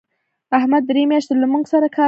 احمد درې میاشتې له موږ سره کار وکړ.